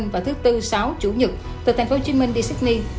và thứ bốn sáu chủ nhật từ tp hcm đi sydney